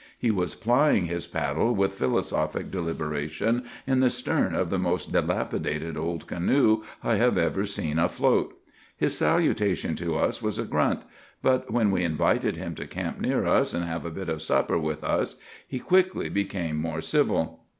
He was plying his paddle with philosophic deliberation in the stern of the most dilapidated old canoe I have ever seen afloat. His salutation to us was a grunt; but when we invited him to camp near us and have a bit of supper with us he, quickly became more civil.